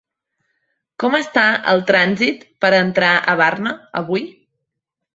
Com està el trànsit per entrar a Barna, avui?